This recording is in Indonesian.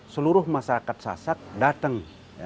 seluruh masyarakat sasak datang